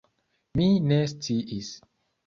Mi ne sciis!